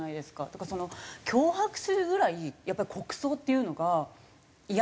だから脅迫するぐらいやっぱり国葬っていうのがイヤな事なのか